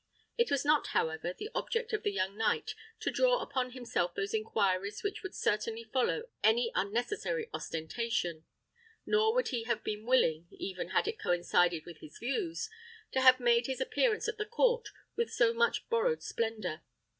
It was not, however, the object of the young knight to draw upon himself those inquiries which would certainly follow any unnecessary ostentation; nor would he have been willing, even had it coincided with his views, to have made his appearance at the court with so much borrowed splendour.